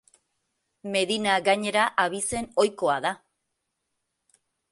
Medina gainera abizen ohikoa da.